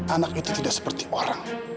anak itu tidak seperti orang